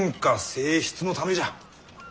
静謐のためじゃ。